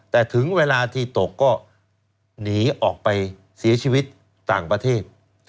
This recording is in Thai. แต่ถึงเวลาที่ตกก็หนีออกไปเสียชีวิตต่างประเทศ